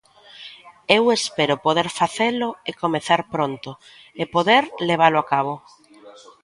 Eu espero poder facelo e comezar pronto e poder levalo a cabo.